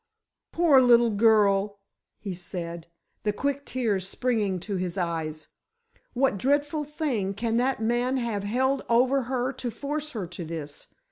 "Poor little girl," he said, the quick tears springing to his eyes; "what dreadful thing can that man have held over her to force her to this?